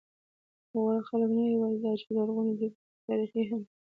د غور خلک نه یواځې دا چې لرغوني دي، بلکې تاریخي هم دي.